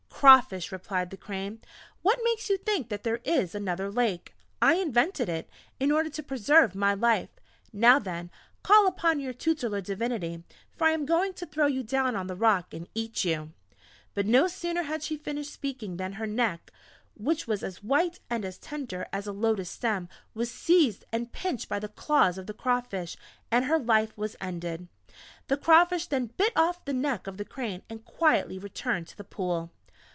"Crawfish," replied the Crane, "what makes you think that there is another Lake? I invented it, in order to preserve my life. Now then, call upon your tutelar Divinity for I am going to throw you down on the Rock, and eat you!" But no sooner had she finished speaking than her neck, which was as white and as tender as a lotus stem, was seized and pinched by the claws of the Crawfish and her life was ended. The Crawfish then bit off the neck of the Crane, and quietly returned to the Pool.